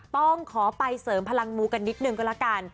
ต้องขอไปเสริมพลังมูกันนิดนึงก็แล้วกัน